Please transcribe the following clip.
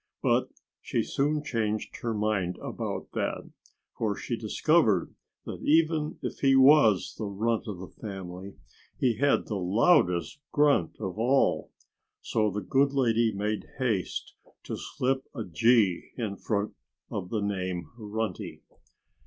But she soon changed her mind about that; for she discovered that even if he was the runt of the family, he had the loudest grunt of all. So the good lady made haste to slip a G in front of the name "Runty."